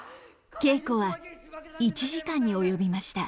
稽古は１時間に及びました。